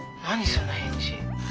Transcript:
その返事。